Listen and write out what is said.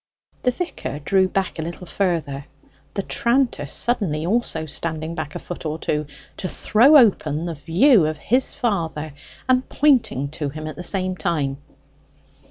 The vicar drew back a little further, the tranter suddenly also standing back a foot or two, to throw open the view of his father, and pointing to him at the same time.